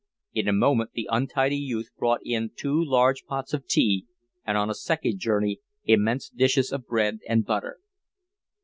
In a moment the untidy youth brought in two large pots of tea and on a second journey immense dishes of bread and butter.